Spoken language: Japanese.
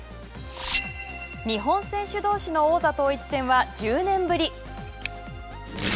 日本選手どうしの王座統一戦は１０年ぶり。